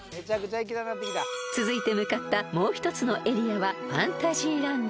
［続いて向かったもう一つのエリアはファンタジーランド］